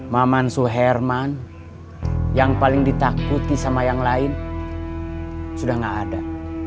mamansu herman yang paling ditakuti sama yang lain sudah gak ada